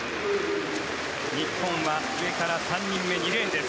日本は上から３人目２レーンです。